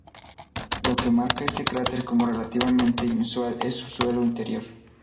Lo que marca este cráter como relativamente inusual es su suelo interior.